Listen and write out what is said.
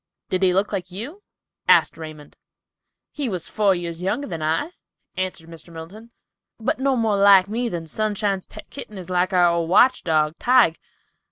"Did he look like you?" said Raymond. "He was four years younger than I," answered Mr. Middleton, "but no more like me than Sunshine's pet kitten is like our old watch dog, Tige.